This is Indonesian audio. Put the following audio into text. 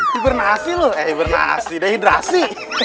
hibernasi lo eh hibernasi deh hidrasi